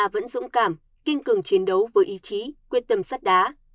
vẫn dũng cảm kiên cường chiến đấu với ý chí quyết tâm sắt đá